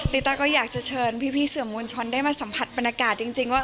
ต้าก็อยากจะเชิญพี่สื่อมวลชนได้มาสัมผัสบรรยากาศจริงว่า